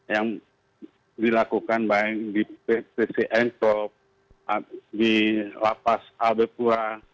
yang dilakukan baik di pcn top di lapas abel pura